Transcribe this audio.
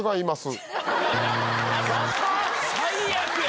最悪や！